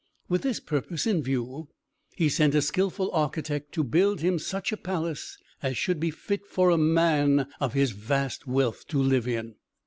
With this purpose in view, he sent a skilful architect to build him such a palace as should be fit for a man of his vast wealth to live in.